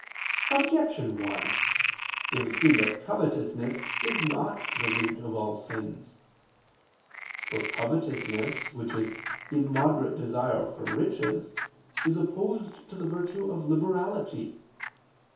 Objection 1: It would seem that covetousness is not the root of all sins. For covetousness, which is immoderate desire for riches, is opposed to the virtue of liberality.